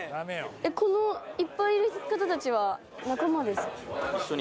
えっこのいっぱいいる方たちは仲間ですか？